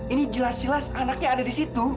ini jelas jelas anaknya ada di situ